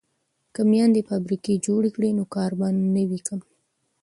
که میندې فابریکه جوړ کړي نو کار به نه وي کم.